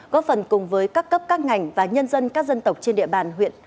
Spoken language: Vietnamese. góp phần cùng với các cấp các ngành và nhân dân các dân tộc trên địa bàn huyện